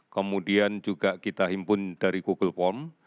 kemudian juga kita himpun dari google pom